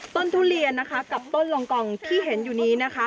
ทุเรียนนะคะกับต้นรองกองที่เห็นอยู่นี้นะคะ